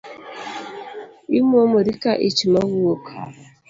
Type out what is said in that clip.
Imuomori ka ich mamwuok